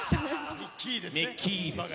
ミッキーですね。